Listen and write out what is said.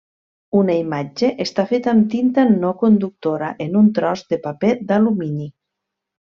Una imatge està feta amb tinta no conductora en un tros de paper d'alumini.